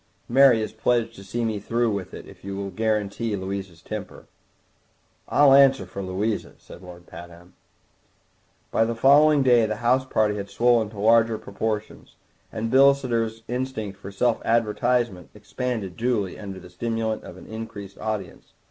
"Mary is pledged to see me through with it, if you will guarantee Louisa's temper." "I'll answer for Louisa," said Lord Pabham. By the following day the house party had swollen to larger proportions, and Bilsiter's instinct for self advertisement expanded duly under the stimulant of an increased audience.